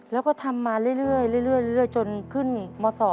แล้วก็ทำมาเรื่อยจนขึ้นม๒